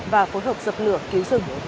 và phối hợp dập lửa cứu rừng